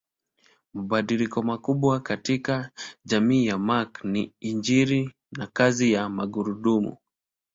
Mabadiliko makubwa katika jamii ya Mark ni injini na kazi ya magurudumu.